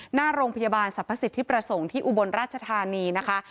หน้าโรงพยาบาลสรรพสิทธิประสงค์ที่อุบลราชธานีนะคะ